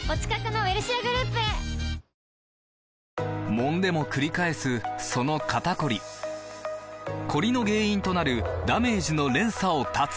もんでもくり返すその肩こりコリの原因となるダメージの連鎖を断つ！